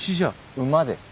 馬です。